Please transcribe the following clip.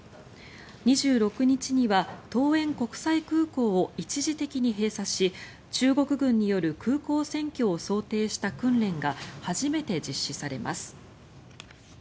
２６日には桃園国際空港を一時的に閉鎖し中国軍による空港占拠を想定した訓練が初めて実施されます。